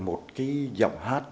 một cái giọng hát